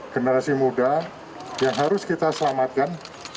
generasi muda yang harus kita selamatkan